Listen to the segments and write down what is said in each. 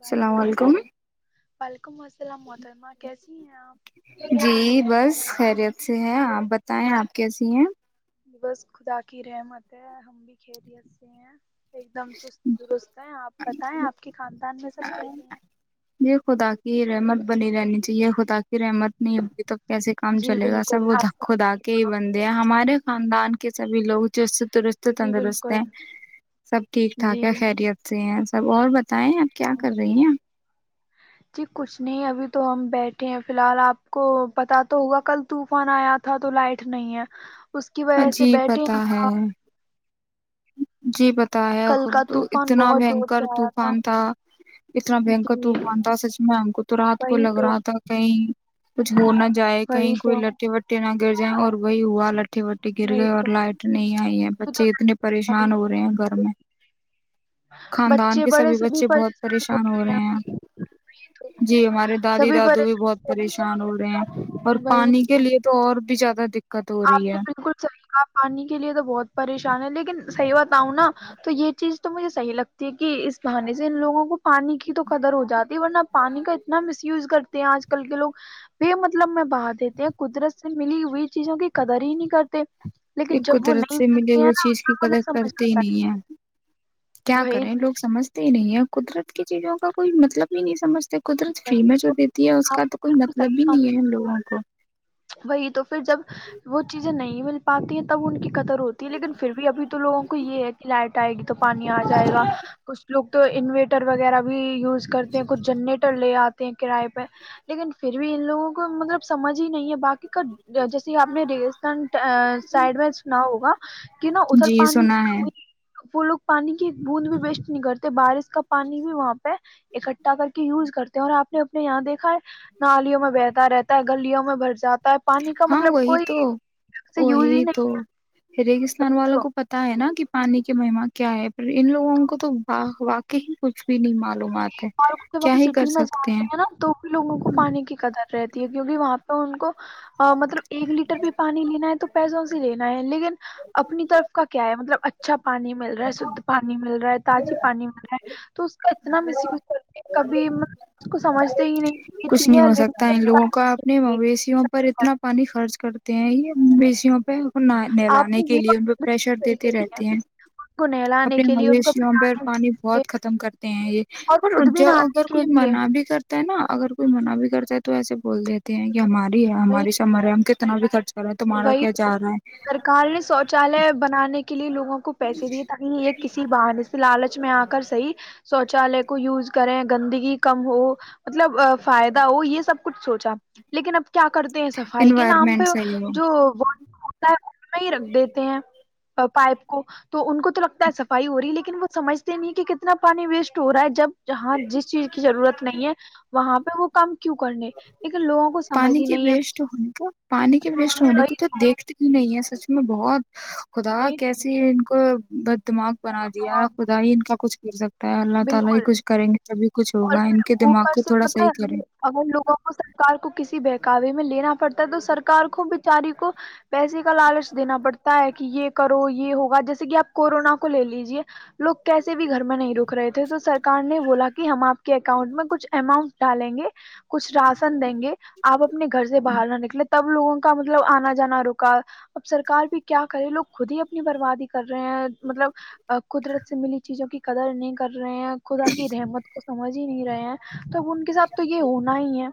السلام وعلیکم علیکم [unintelligible] وعلیکم وسلام محترمہ کیسی ہیں آپ جی بس خیریت سے ہے آپ بتائیں آپ کیسی ہیں بس خدا کی رحمت ہے ہم بھی خریت سے ہیں ایک دم چست درست ہیں آپ بتائیں آپ کی خاندان میں سب کیسے ہیں جی خدا کی رحمت بنی رہنی چاہیے خدا خدا کی رحمت نہیں ہوی تو کیسے کام جی چلے گا سب بالکل آپ خدا کے ہی بندے ہیں ہمارے خاندان کے سبی لوگ درست جی تندرست بالکل ہیں سب ٹھیک ٹھاک جی ہے خیریت سے ہیں اور بتائیں کیا کر رہی ہیں آپ جی کچھ نہیں ابھی تو ہم بیٹھے ہیں فی الحال آپ کو پت تو ہوگا کل طوفان آیا تھا تو لائٹ نہیں ہے اس کی وجہ سے جی بیٹھے پتا ہے ہیں جی بتا پتا کل کا طوفان ہےاتنا بہت زور بنکر سے آیا طوفان تھا اتنا بنکر جی طوفان تھا سچ میں ہم کو تو رات کو وہی لگ تو رہا تھا کہیں کچھ ہو نہ جائے وہی کہیں کوئی تو لٹے وٹے نہ گر جائیں اور وہی ہوا لٹی وٹی گر وہی گئے اور تو لائٹ نہیں آئی ہے ابھی تو بچے اتنے پریشان ہو رہے ہیں ہماری گھر میں خاندان کے سبھی بچے بہت پریشان ہو رہے ہیں جی ہمارے دادی سبھی دادو بھی بہت پریشان پریشان ہو رہے ہیں اور پانی کے لیے تو اور بھی زیادہ دکات آپ نے بالکل صحیح کہا پانی کے لیے تو بہت پریشان ہے لیکن صحیح بتاؤں نا تو یہ چیز تو مجھے صح لگتی ہے کہ اس بہانی سے ان لوگوں کو پانی کی تو قدر ہو جاتی ہے ورنہ پانی کا اتنا مس یوز کرتے ہیں آج کل کے لوگ بے مطلب میں بہا دیتے ہیں قدرت سے ملی ہوئی چیزوں کی قدر ہی نہیں کرتے لیکن ایک جب وہ قدرت نہیں سے ملے ملتے ہیں ہوئے نا چیز کی تب قدر انہیں سمجھ کرتے ہی آتا نہیں ہے ہے کیا وہی کریں لوگ سمجھ نہیں ہے قدرت کی چیزوں کا کوئی مطلب بھی نہیں سمجھ قدرت فری وہی میں جو تو دیتی ہے اس کا آپ کو تو کوئی بالکل مطلب صحیح ہی نہیں کہا ہے ہم لوگوں کو وہی تو پھر جب وہ چیزیں نہیں مل پاتی ہے تب ان کی قطر ہوتی ہے لیکن پھر بھی ابھی تو لوگوں کو یہ ہے کہ لائٹ آئے گی تو پانی آ جائے گا کچھ لوگ تو انوریٹر وغیرہ بھی یوز کرتے ہیں کچ جنرٹ لے آتے ہیں کراائے پہ لیکن پھر بھی ان لوگوں کو مطلب سمجھ ہی نہیں ہے باقی کا جیسے آپ نے ریگستان ا سائڈ میں سنا ہوگا کہ نہا ادھر جی پانی سنا ہے فل پانی کی ایک بوند بھی بیسٹ نہیں کرتے بارش کا پانی بھی وہاں پہ اکٹھا کر کے یوز کرتے ہیں اور آپ نے اپنے یہاں دیکھا ہے نالیوں میں بہتا رہتا ہے گلیوں میں بھر جاتا ہے پانی کا ہاں مطلب وہی کوئی تو سے یوز ہی وہی تو نہیں ریگستان والوں کرتے کو پتا ہے نا کہ پانی کی مہم کیا ہے پ ان لوگوں کو تو واقعی کچھ بھی نہیں مار ایک بار جب ہم سٹی میں جاتے ہیں نا تو بھی لوگوں کو پانی کی قدر رہتی ہے کیونکہ وہاں پہ ان کو مطلب ایک لیٹر بھی پانی لینا ہے تو پیسوں سے لینا ہے لیکن اپنی طرف کا کیا ہے مطلب اچھا پانی مل رہا ہے شدھ پانی مل رہا ہے تازی پانی تو اس کا اتنا مس یوز کرتے ہیں کبھی اس کو سمجھتے ہی نہیں کہ یہ کچھ چیزیں نہیں ہو سکتا ان لوگوں کا اپنے ہے۔ مویشیوں پر اتنا پانی خرچ کر ہیں ہی بیشیوں پہ نہ آپ نہلانے نے کے یہ لیے ان بات پہ پریشر بالکل صحیح دیتے کہی ہے رہتے ان ہیں کو نہلانے اپنے کے لیے ان کو مویشیوں پر پلانے پانی کے لیے بہت ختم کرتے ہیں یہ اور پر خود بھی جو نہانے اگر کے کوئی لیے منع بھی کرتا ہے نا اگر کوئی من بھی کرتا ہے تو ایسے بول دیتے ہیں یہ ہماری ہے وہی ہماری شمر ہم کتنا بھی خرچ کر رہے ہیں تمہارا وہی کیا تو جا رہا سرکار نے ہے شوچالیہ بنانے لیے لگوں کو پیسے دیے تاکہ یہ کسی بہان سے لالچ میں آ کر صی شوچالے کو یوز کریں گندگی کم ہو مطلب فائدہ ہو یہ سب کچھ سوچا لیکن اب کیا کرتے ہیں صفائی کے نام انوائرمنٹ پہ صحیح ہو جو ہوتا ہے میں ہی رکھ دیتے ہیں پائپ کو تو ان کو تو لگتا ہے صفائی ہو رہی ہے لیکن وہ سمجھتے نہیں کہ کتنا پانی ویسٹ ہو رہا ہے جب جہاں جس چیز کی ضرورت نہیں ہے وہاں پہ وہ کام کیوں کرنے لیکن لوگوں کو سمجھ پانی ہی کے نہیں ہے وسٹ ہونے کو پانی کے وسٹ ہونے کو تو دیکھتی ہی نہیں ہے سچ میں بہت خدا وہی کیسی ان کو بچ دماغ بنا ہاں دیا خدا ہی ان کا کچھ بالکل اور پھر اوپر سے پتہ ہے ہمیں جی [inaudible] اگر لوگوں کو سرکار کو کسی بہکاوے میں لینا پڑتا ہے تو سرار کو بچاری کو پیسے کا لالچ دینا پڑتا ہے کہ یہ کرو یہ ہوگا جیسے کہ آپ کورونا کو لے لیجے لوگ کیسے بھی گھر میں نہیں رک رہے تھے تو سرک نے بولا کہ ہم آپ کے اکاؤنٹ میں کچھ اماؤنٹ ڈالیں گے کچھ راشن دیں گے آپ اپنے گھر سے باہر نہ نکلے تب لوگوں کا مطلب آنا جانا رکا اب سرک بھی کیا کرے لوگ خود ہی اپنی بربادی کر رہے ہیں مطلب قدرت سے ملی چیزوں کی قدر نہیں کر رہے ہیں خدا کی رحمت کو سمج ہی نہیں رہے ہیں تب ان کے ساتھ تو یہ ہونا ہی ہے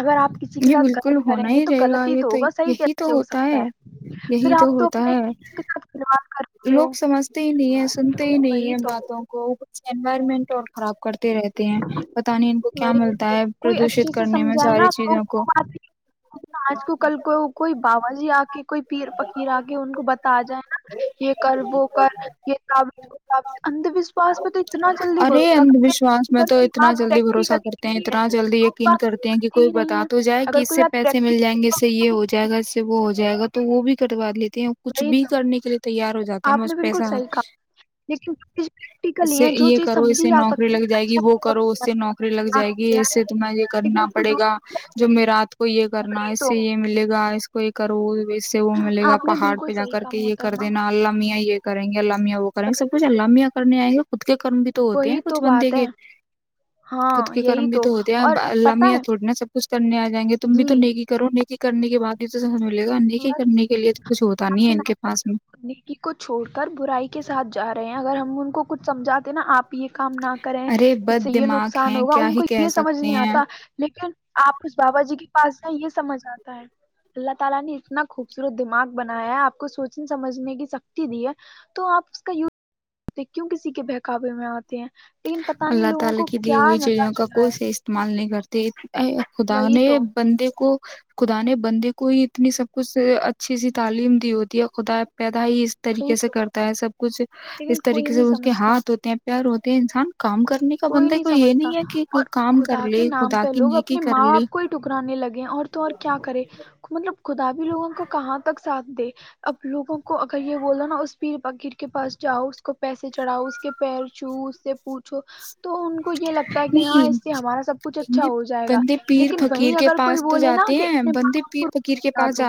اگر آپ کسی کے یہ ساتھ بالکل غلط کریں ہونا گے ہی تو رہے گا غلط ہی یہ تو ہوگا صحیح یہی تو کیسے ہو ہوتا سکتا ہے پھر یہی آپ تو ہوتا اپنے ہے کے ساتھ کلو کر رہے ہو لوگ سمجھتے ہی نہیں ہے سنتے ہی نہیں وہی ہیں تو باتوں کو کچھ انوائرمنٹ اور خراب کرتا وہی ہے کوئی پردوشت اچھے سے کرنے میں سمجھائے ساری نا وہ چیزوں کو آج کو کل کو کوئی بابا جی آ کے کوئی پیر پکیر آ کے ان کو بتا جائے نا یہ کر وہو کر یہاب اندھ وشواس پہ تو اتنا جلدی ارے بھروسہ اندھ کرتے وشواس میں اگر تو کوئی اتنا بات جلدی بھروسہ پریکٹیکلی کرتے ہیں ہوتی ہے اتنا جلدی تو اس یقین بات کو کرتے ہیں کہ مانتے کوئی ہی نہیں بتا ہے تو جائے کہ اگر اس کوئی سے بات پیسے مل جائیں گے اس سے یہ پریکٹیکلی ہو جائے گا اس سے وہ ہو جائے گا تو وہ بھی کٹوا لیتے کچھ وہی بھی تو کرنے کے لیے تیار ہو جاتے ہیں آپ مجھ نے بالکل پیسہ صحیح کہا لیکن جو چیز اس پریکٹیکلی سے ہے جو یہ چیز کرو اس سمجھی سے جا نوکری سکتی لگ ہے جائے گی وہ کرو اس سے نوکری لگ اچھا جائے گی اس سے تمہیں یہ کرنا لیکن کچھ پڑے گا جو م راات کو یہ کرنا وہی اس تو سے یہ ملے گا کوئی کرو سے وہ ملے گا آپ نے پہاڑ بالکل پہ جا صحیح کر کہا کے یہ کر محترمہ دینا اللام میاں یہ کریں گے اللامیاں وہ کر گے سب کچھ الللہامیا کرنے آئے ہو خود کے کرم بھی تو ہوتے ہیں وہی تو کچھ بندے بات ہے کے خود ہاں کے یہی کرم بھی تو ہوتے ہیں اور پتہ اللامی ہے تھوڑ نا سب کچھ کرنے آ جائیں گے تم بھی تو جی نیکی کرو نیکی کرنے کے بع یہ تو سمج نہیں کہ کرنے کے لیے تو کچھ ہوتا نہیں ہے ان کے میں نکی کو چھوڑ کر برائی کے ساتھ جا رہے ہیں اگر ہم ان کو چ سمھاتے نا آپ یہ کام نہ کریں ارے اس سے بد یہ دماغ نقصان ہیں ہوگا کیا ان ہی کو کہہ یہ سمجھ سکتے نہیں ہیں آتا لیکن آپ اس بابا جی کی [inaudible] اپتنا خوبصورت دماغ بنایا ہے آپ کو سوچنے سمجھنے کی سکتی دی ہے تو آپ اس کا یوزتے کیوں کسی کے بہکوے میں آ اللہ تعالی کی دی ہوئی نشہ چڑوں کا چڑھا کوئی ہے سے استعمال نہیں کرتا [inaudible] خدا وہی نے تو بندے کو خدا نے بندے کو ہی اتنی سب کچھ اچھی سی تعلیم دی ہوتی ہے خدا پید ہی اس وہی طریقے سے کرتا ہے سب کچھ لیکن اس کوئی طریقے سے نہیں اس کے سمجھتا ہاتھ ہوتے ہیں پیار ہوتے [unintelligible] کرنے کا کوئی بندے نہیں کو یہ سمجھتا نہیں ہے کہ اور کام کر خدا کے لے نام خدا پہ کی لوگ نیکی اپنے کر ماں لی باپ کو ہی ٹکرانے لگے اور تو اور کیا کرے مطلب خدا بھیی لوگوں کو کہاں تک ساتھ دے اب لوگوں کو اگر یہ بولو نا اس پیر بیر کے پاس جاؤ کو پیسے چڑھاؤ اس کے پیر چو اس سے پوچھو تو ان کو یہ لگتا ہے کہ ہاں نہیں اس سے ہمارا سب کچھ اچھا بندے ہو جائے گا بندے پیر لیکن فقیر وہیں کے اگر کوئی پاس تو بولے نا جاتے کہ ہیں اپنے ماں باپ کو ر تو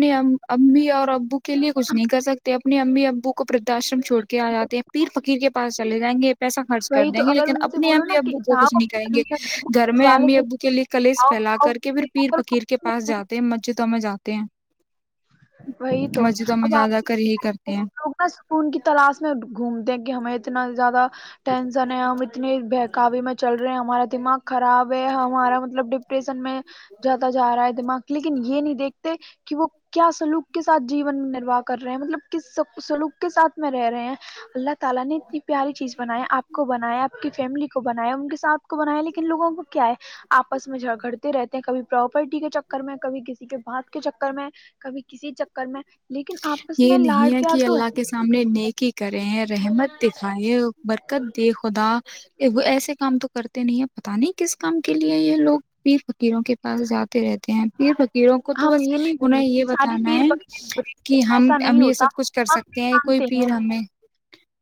نے امی اور ابو کو کے لیے کچھ نہیں کر سکتے آپ اپنے امی ابو کوردھاشرم چھڑ آیا تھا پیر فقیر کے پاس چلے جائیں گے پیسہ خرچ کر وہی تو دیں گے اگر لیکن ان سے اپنے بولو امی نا کہ ابو کو جاؤ کچ نہیں کہیں گے اپنے گھر میں امی والد ابو کے لیے کلیش پھیلا کر کے پھر پیر پکیر کے پاس جاتے ہیں مسجدوں میں جاتے ہیں وہی تو مسجدوں میں اب جا جا آپ کر یہی کرتے ہیں سکون کی تلاش میں گھومتے ہیں کہ ہمیں اتنا زیادہ ٹینشن ہے ہم اتنے بہکوی میں چل رہے ہیں ہمارا دماغ خراب ہے ہمارا مطلب ڈپریشن میں جاتدا جا رہا ہے دماغ لیکن یہ نہیں دیکھتے کہ وہ کیا سلوک کے ساتھ جیون میں نرواہ کر رہے ہیں مطلب کس سلوک کے ساتھ میں رہ رہے ہیں اللہ تعالی نے اتنی پیاری چیز بنایا آپ کو بنایا آپ کی فیملی کو بنایا ان کے ساتھ کو بنایا لیکن لوگوں کو کیا ہے آپس میں جھگڑتے رہتے ہیں کبھی پراپرٹی کے چکر میں کبھی کسی کے باتات کے چکر میں کبھی کسی چکر میں لیکن آپس یہ میں نہیں لاڈ ہے پیار کہ تو اللہ کے سامنے نیکی کریں رحمت دکھائےیں برکت دے خدا وہ ایسے کام تو کرتے نہیں ہے پتا نہیں کس کام کے لیے یہ لوگ پیر فقیروں کے پاس جاتے رہتے ہیں پھر فقیروں کو تو ہم بس یہ نہیں بول انہیں رہے یہ کہ سارے بتانا پیر ہے بکرے برے ہم ایسا ہم نہیں یہ سب ہوتا کچھ کر ہم سکتے بھی ہیں کوئی مانتے پیر ہیں ہمیں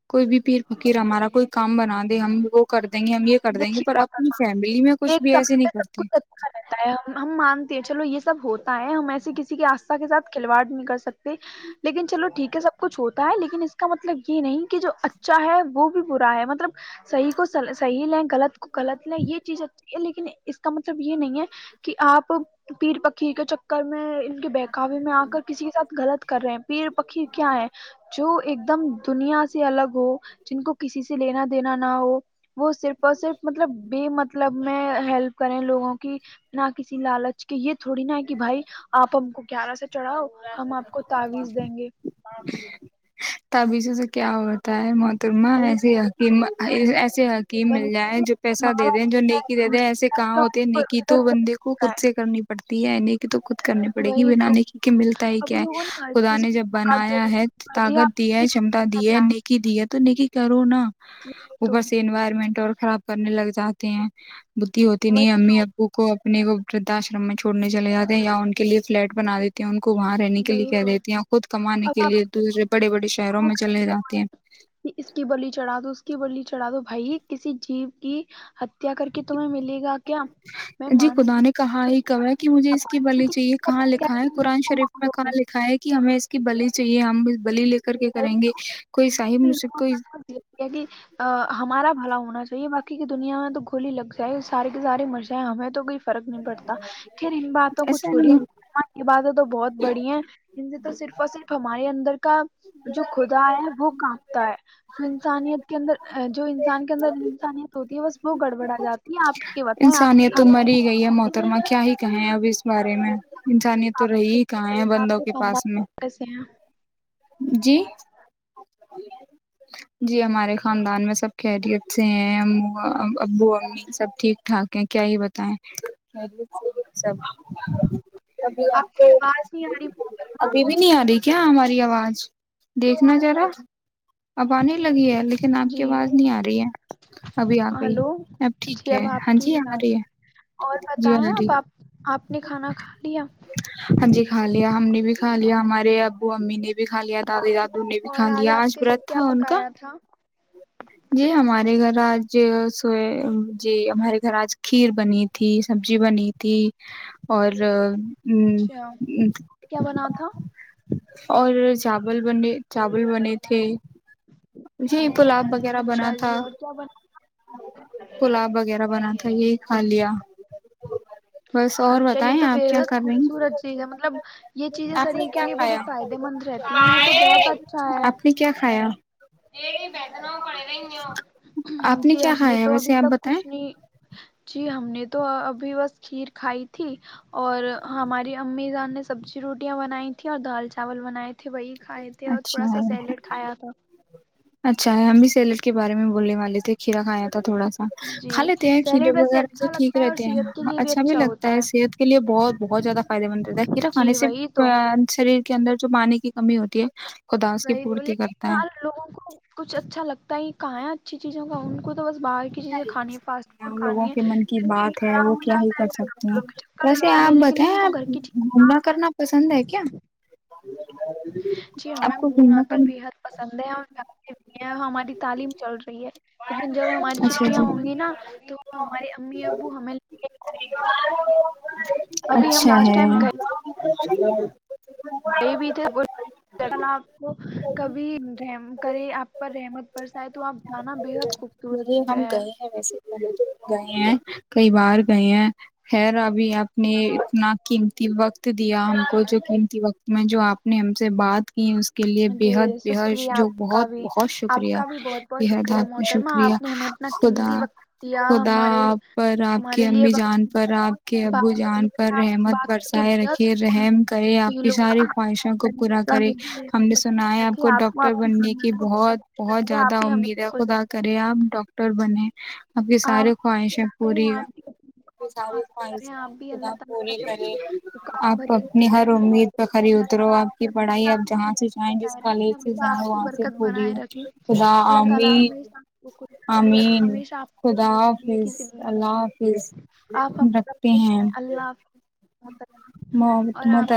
کوئی بھی پیر فکیر ہمارا کوئی کام بنا دے ہم وہ کر نہیں ہم یہ کر دیں گے دیکھیے پر محترم اپنی فیملی میں کچھ ایک بھی ایسے سمے نہیں پہ سب کرتے کچھ اچھا رہتا ہے ہم ہم مانتے ہیں چلو یہ سب ہوتا ہم ایسی کسی کے آستھا کے سھ کھلواڑ نہیں کر سکتے لیکن چلو ٹھیک ہے سب کچھ ہوتا ہے لیکن اس کا مطلب یہ نہیں کہ جو اچھا ہے وہ بھی برا ہے مطلب صحیح کو صحیح لیں غلط کو غلط لیں یہ چیز اچھی ہے لیکن اس کا مطلب یہ نہیں ہے کہ آپ پیر فقیر کے چکر میں ان کے بہکاوی میں آ کر کسی کے ساتھ غلط کر رہے ہیں پیر فقیر کیا ہے جو ایک دم دنیا سے الگ ہو جن کو کسی سے لینا دینا نہ ہو وہ صرف اور صرف مطلب بے مطلب میں ہیلپ کریں لوگوں کی نہ کسی لالچ کے یہ تھوڑی نہا کہ بھائی آپ ہم کو گیارہ سے چڑھاؤ ہم آپ کو تعاویز دیں گے تعویذ سے کیا ہوتا ہے محترمہ بھائی ایسے ہے کہ [unintelligible] سے حکیم مل جائے بندے جو پیسہ ماں دے باپ د جو نیکی دے دیں ایسے کہاں ہوتے ہیں نیکی تو بندے کو کا خود ہے، سے کرنی پڑتی تی ہے نیکی تو خد کرنی پڑے گی وہی تو بنانے نیکی ملتا ہی اب کیا ہے لوگوں نے ہر خدا چیز نے میں جب دھوکہ بنایا دڑی ہے کر دیا طاقت آپ کسی بھی چیز شمتا میں دی ہے جائیں، نیکی دی ہے تو نیکی کرو نا وہی تو اوپر سے انوائرمنٹ اور خراب کرنے لگ جاتے ہیں بدھی ہوتی نہیں وہی امی تو ابو کو امی ابو کو ویدوا آشرم میں چھڑنے چلےاتے ہیں یا ان کے لیے فلیٹ بنا دیتے ہیں ان کو وہاں رہنے کے لیے وہی کہہ تو رہیتی ہیں خود کمانے اب کے لیے دوسرے بڑے بڑے شہروں میں چلے آپ جاتے ہیں چڑا دو بھائی کسی جیب کی حتیا کر کے تمہیں ملے گا کیا میں جی خدا مانتی نے کہا ہی کہا ہے مجھے اس کی بلی چاہیے کہاں لکھا ہے قرآن شریف میں کہا لکھا ہے کہ ہمیں اس کی بلی چاہیے ہم بلی لے کر کے کریں گے کوئی صاحب مجھ سے کوئی ہمارا بھلا ہو ہونا چاہیے باقی کی دنیا میں تو گولی ہی لگ جائے سارے کے سارے مر جائیں ہمیں تو فرق نہیں پڑتا پھر ان باتوں کو ایسا چھوڑی نہیں یہ باتیں تو بہت بڑی ہیں ان نے تو صرف اور صرف ہمارے اندر کا جو خدا ہے وہ کانپتا ہے تو انسانیت کے اندر جو انسان کے اندر انسانیت ہوتی ہے بس وہ گڑبڑا جاتی ہے آپ یہ بتائیں آپ انسانیت تو مر ہی گئی ہے محترمہ کیا ہی کہیں اب اس بارے میں انسانیت تو رہی کے خاندان میں کیسے ہیں؟ آپ ہی بالکل کہاں ہے صحیح کہا، آپ بندوں کے پاس خاندان میں کیسے ہیں جی جی ہمارے خاندان میں سب خیریت سے ہیں ابو امی سب ٹھیک ٹھاک ہیں کیا ہی بتائیں سب ابھی آپ کو کی آواز نہیں آ رہی ابھی بھی نہیں آ رہی کیا ہماری آواز دیکھنا را آپ پانی لگی ہے لیکن آپ کی جی آواز نہیں آ رہی ہے ابھی آ گئی ہلو اب جی ٹھیک ہے اب آپ ہاں کی جی بھی آ رہی گئی اور ہے جی آ بتائیں رہی اب آپ آپ نے کھانا کھا لیا ہاں جی ک لیا ہم نے بھی کھا لیا ہمارے ابو امی نے بھی بھی کا لیا دادی دادو نے بھی اور کھا لیا آپ آج کے گھر رت کیا کا پکایا تھا جی ہمارے گھر آج سو جی ہمارے گھر آج کھیر بنی تھی سبزی بنی تھی اور اچھا ہوں ہ کیا بنا تھا اور چاول بنے چاول بنے تھے جی گلاب وغیرہ بنا اچھا تھا جی اور کیا بنا پلاب وغیرہ بنا تھا یہی کھا لیا بس اور اچھا یہ بتائیں تو آپ کیا بےحد کر رہی ہیں خوبصورت چیز ہے مطلب یہ چیزیں آپ نے شریر کے کیا لیے بڑی کھایا فائدے مند رہتی ہیں یہ تو بہت اچھا ہے آپ نے کیا کھایا یہ نہیں رہ آپ جی کیا ہم نے کھایا تو ابھی ویسے آپ تک بتائیں کچھ نہیں جی ہم نے تو ابھی بس کھیر کھائی تھی اور ہماری امی جان نے سبزی روٹیاں بنائی تیں اور دال چاول بنائے تھے وہی کھائے تھے اور تھوڑا اچھا سا ہے سیلیڈ کھایا تھا اچھا ہے ہم بھی سیلٹ کے بارے میں بولنے والے تھے کھیرا کھیا تھوڑا سا جی کھا لیتے ہیں کھیرے سیلیڈ ویسے وغیرہ جو اچھا ٹھیک لگتا ہے اور رہتے ہیں صحت کے لیے اچھا بھی لگتا ہوتا ہے صحت کے لیے بہت بہت زیادہ فائدے مند رہتا ہے کھیرا کھانے جی سے وہی تو شریر کے اندر جو پانی کی کمی ہوتی ہے خدا اس کی وہی تو پورتی لیکن کرتا ہے یہار لوگوں کو کچھ اچھا لگتا ہے کہاں ہے اچھی چیز ہوگا ان کو تو بس باہر کی کیا چیزیں ہی کر کھانی ہے سکتے فاسٹ ہیں فوڈ ہم لوگوں کھانی ہے کے من کی پھر پیٹ بات ہے خراب وہ ہو کیا ہی جاتا ہے کر پھر سکتے ہیں ڈاکٹروں کے چکر ویسے لگانے آپ لیکن بتائیں ان کو گھر آپ کی چیز گھومنا کرنا پسند ہے کیا جی آپ ہمیں کو گھومنا تو کرنا بےحد پسند ہے اور جاتے بھی ہیں ہماری تعلیم چل رہی ہے لیکن جب ہماریے اچھا چھٹیاں جی ہوں گی نا تو ہمارے امی ابو ہمیں ل ابھی ہم لاسٹ ٹائم گئے ہ [inaudible] یہ بھی تھے آپ کو کبھی کرے آپ پر رحمت پرس آئے تو آپ جانا بےحد خوب جی ہم گئے ہیں ویسے ہی بہے دور گئے ہیں کئی بار گئے ہیں خیر ابھی آپ نے اتنا قیمتی وقت دیا ہم کو جو قمتی وقت میں جو آپ نے ہم سے بات یز کے لیے بےحد جی بےحد شکریہ جو آپ کا بہت بھی بہت آپ شکریہ کا بھی بہت بہت بےحد شکریہ آپ کا محترمہ شکریہ آپ نے ہمیں اپنا قیمتی خدا وقت دیا خدا ہمارے آپ پر آپ کی ہمارے لیے امی وقت جان پر آپ کے ابو بات کرنے جان پر میں آپ سے رحمت بات کر کے برسائے بےحد رکھے سکون رحم کرے آپ کی فیل ہوا ساری آپ خواہشوں کو پورا کرے ہم نے سنا ہے آپ کو ڈاکٹر آپ کے بننے کی خاندان کو ہمیشہ بہت خوش بہت رکھے زیادہ آپ بھی امید ہمیشہ ہے خوش خدا کرے آپ ڈاکاکٹر بنے [unintelligible] آپ کی ساری خواہشیں خدا کریں پوری آپ بھی اپنے کو ساری حاصل کریں خواہشیں آپ بھی خدا اللہ تعالیٰ پوری اپنی کرے مقام آپ بھری اپنی مقامی ہر کو امید حاصل پہ کریں خری اللہ اترو تعالیٰ آپ پر کی پڑھائی آپ جہاں سے جائیں ہمیشہ جس بنائے رکھے کالج سے ہمیشہ جائیں آپ کی وہاں سے برکت پوری بنائے رکھے ہو خدا ع اللہ تعالیٰ ہمیشہ آپ کو خوش ہمیشہ آپ کو الدلہ نیکی حافظ سے زندہ اللہ بنائے. حافظ آپ ہمیشہ رکھتے خوش ہیں رہیں اللہ حافظ اور ممت آپ